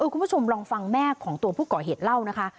คุณผู้ชมลองฟังแม่ของตัวผู้ก่อเหตุเล่านะคะ